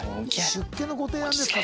出家のご提案ですか？